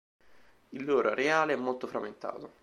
Il loro areale è molto frammentato.